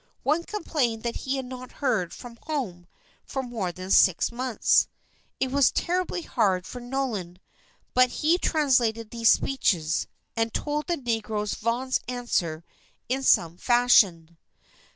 One complained that he had not heard from home for more than six months. It was terribly hard for Nolan, but he translated these speeches, and told the negroes Vaughan's answer in some fashion.